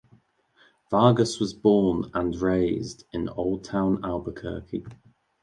Vargas was born and raised in Old Town Albuquerque.